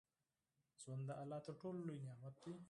ژوند د الله تر ټولو لوى نعمت ديه.